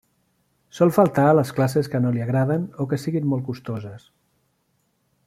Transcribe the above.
Sol faltar a les classes que no li agraden o que siguin molt costoses.